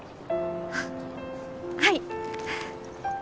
はい！